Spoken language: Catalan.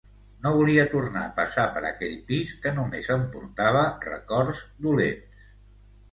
No volia tornar a passar per aquell pis que només em portava records dolents.